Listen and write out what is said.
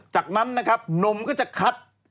จากนั้นหนมก็จะขัด